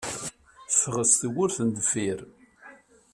Ffeɣ s tewwurt n deffir.